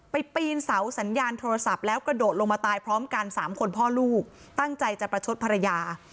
ปีนเสาสัญญาณโทรศัพท์แล้วกระโดดลงมาตายพร้อมกันสามคนพ่อลูกตั้งใจจะประชดภรรยา